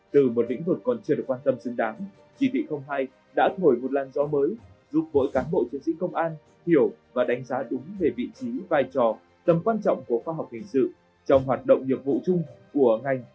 từ một lĩnh vực còn chưa được quan tâm xứng đáng chỉ thị hai đã thổi một làn gió mới giúp mỗi cán bộ chiến sĩ công an hiểu và đánh giá đúng về vị trí vai trò tầm quan trọng của khoa học hình sự trong hoạt động nhiệm vụ chung của ngành